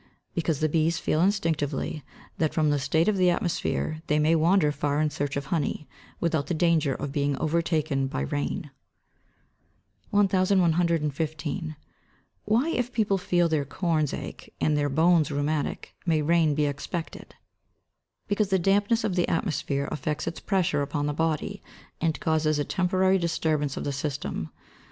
_ Because the bees feel instinctively that from the state of the atmosphere they may wander far in search of honey, without the danger of being overtaken by rain. 1115. Why if people feel their corns ache, and their bones rheumatic, may rain be expected? Because the dampness of the atmosphere affects its pressure upon the body, and causes a temporary disturbance of the system.